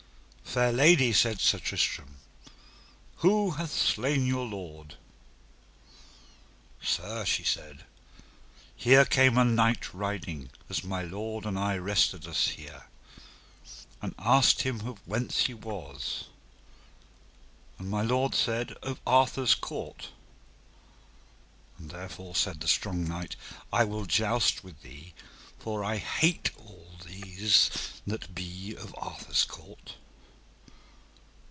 Fair lady, said Sir Tristram, who hath slain your lord? Sir, she said, here came a knight riding, as my lord and I rested us here, and asked him of whence he was, and my lord said of Arthur's court. Therefore, said the strong knight, I will joust with thee, for I hate all these that be of Arthur's court.